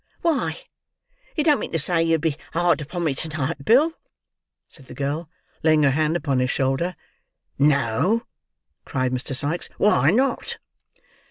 "Why, you don't mean to say, you'd be hard upon me to night, Bill," said the girl, laying her hand upon his shoulder. "No!" cried Mr. Sikes. "Why not?"